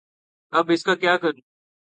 اب اس کا کیا کروں؟